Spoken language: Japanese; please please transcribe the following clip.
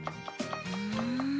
うん。